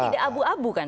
tidak abu abu kan pak